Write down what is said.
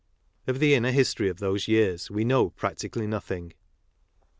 Of the inner history of those years Ave know practically nothing.